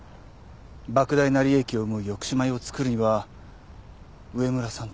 莫大な利益を生む抑止米を作るには上村さんと窪田さん